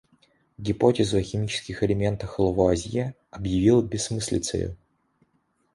Гипотезу о химических элементах Лавуазье объявил бессмыслицею.